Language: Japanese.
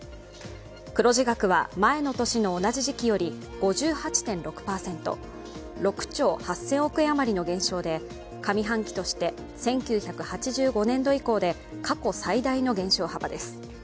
黒字額は前の年の同じ時期より５８．６％、６兆８０００億円あまりの減少で上半期として１９８５年度以降で過去最大の減少幅です。